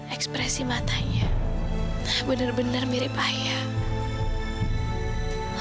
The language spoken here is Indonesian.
ekspresi matanya bener bener mirip ayah